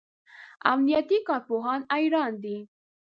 امنیتي کارپوهان حیران دي.